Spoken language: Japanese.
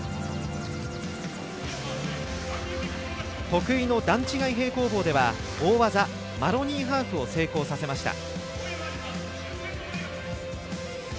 得意の段違い平行棒では大技、マロニーハーフを成功させました。